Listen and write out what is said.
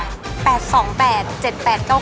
นี่ดูมัน